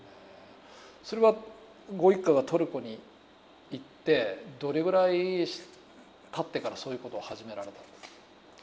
それはご一家がトルコに行ってどれぐらいたってからそういうことを始められたんですか。